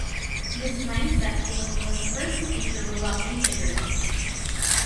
This nine-set theme was the first to feature robot minifigures.